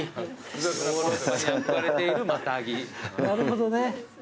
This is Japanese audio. なるほどね。